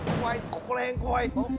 ここら辺怖いぞ。